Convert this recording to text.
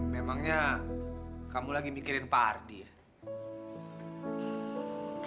memangnya kamu lagi mikirin pak ardi ya